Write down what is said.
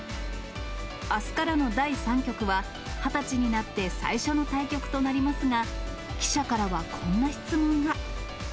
あすからの第３局は、２０歳になって最初の対局となりますが、記者からはこんな質問が。